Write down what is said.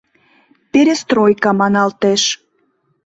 — Перестройка маналтеш...